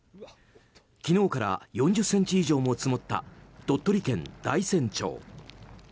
昨日から４０ｃｍ以上も積もった鳥取県大山町。